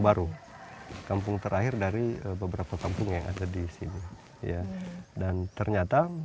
baru kampung terakhir dari beberapa kampung yang ada di sini ya dan ternyata